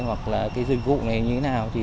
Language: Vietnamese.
hoặc dịch vụ này như thế nào